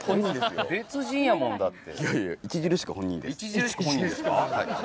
著しく本人ですか？